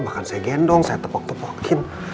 bahkan saya gendong saya tepok tepokin